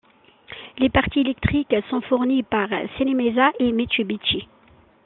Les parties électriques sont fournies par Cenemesa et Mitsubishi.